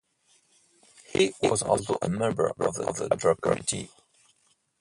He also was a member of the Draper Committee.